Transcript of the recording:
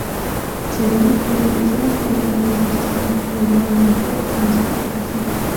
Serenity realizó una serie de cambios al sistema, agregando mejoras y más aplicaciones.